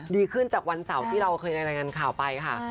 ดีขึ้นจากวันเสาร์ที่เราเคยรายงานข่าวไปค่ะ